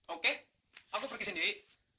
oke aku pergi sendiri